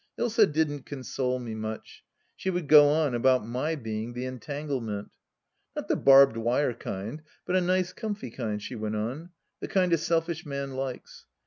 Ilsa didn't console me much. She would go on about my being the entanglement. " Not the barbed wire kind, but a nice comfy one," she went on. " The kind a selfish man likes.